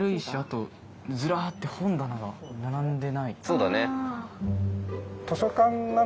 そうだね。